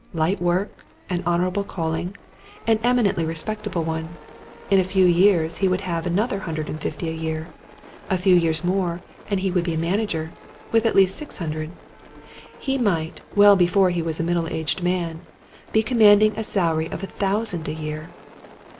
Light work, an honourable calling, an eminently respectable one. In a few years he would have another hundred and fifty a year: a few years more, and he would be a manager, with at least six hundred: he might, well before he was a middle aged man, be commanding a salary of a thousand a year.